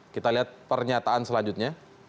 kita lihat pernyataan selanjutnya